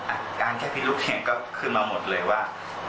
อาการแค่พิรุษเนี่ยก็ขึ้นมาหมดเลยว่า